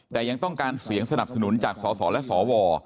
แต่ยังต้องการเสียงสนับสนุนจากสสและสว